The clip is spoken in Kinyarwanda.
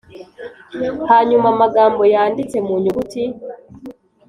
hanyuma amagambo yanditse mu nyuguti